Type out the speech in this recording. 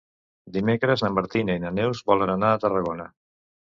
Dimecres na Martina i na Neus volen anar a Tarragona.